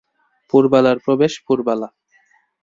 পুরবালার প্রবেশ পুরবালা।